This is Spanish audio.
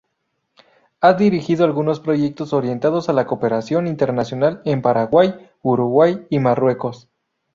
Ha dirigido algunos proyectos orientados a la cooperación internacional en Paraguay, Uruguay y Marruecos.